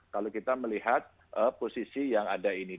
kalau kita melihat posisi yang ada ini